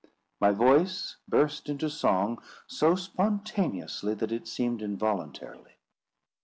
My voice burst into song so spontaneously that it seemed involuntarily.